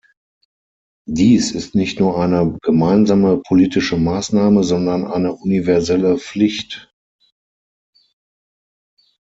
Dies ist nicht nur eine gemeinsame politische Maßnahme, sondern eine universelle Pflicht.